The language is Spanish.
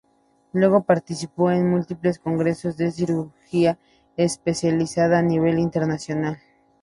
Luego participó en múltiples congresos de cirugía especializada a nivel internacional.